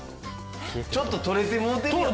ちょっと取れてもうてるやん。